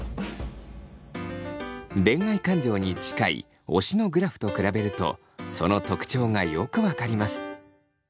恋愛感情に近い推しのグラフと比べるとその特徴がよく分かります。